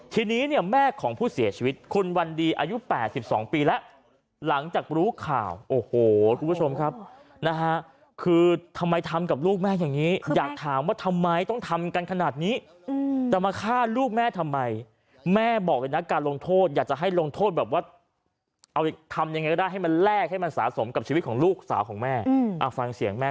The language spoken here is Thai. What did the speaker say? ทีนี้เนี่ยแม่ของผู้เสียชีวิตคุณวันดีอายุ๘๒ปีแล้วหลังจากรู้ข่าวโอ้โหคุณผู้ชมครับนะฮะคือทำไมทำกับลูกแม่อย่างนี้อยากถามว่าทำไมต้องทำกันขนาดนี้จะมาฆ่าลูกแม่ทำไมแม่บอกเลยนะการลงโทษอยากจะให้ลงโทษแบบว่าเอาทำยังไงก็ได้ให้มันแลกให้มันสะสมกับชีวิตของลูกสาวของแม่ฟังเสียงแม่